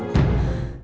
sampai jumpa lagi